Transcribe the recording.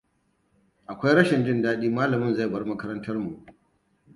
Akwai rashin jin dadi malamin zai bar makarantar mu.